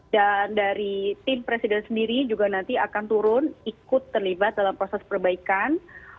dan dari tim presiden sendiri juga nanti akan turun ikut terlibat dalam proses perbaikan